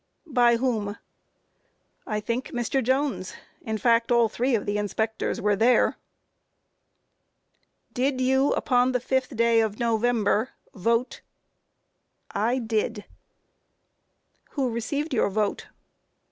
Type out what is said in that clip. Q. By whom? A. I think Mr. Jones; in fact, all three of the inspectors were there. Q. Did you, upon the 5th day of November, vote? A. I did. Q. Who received your vote?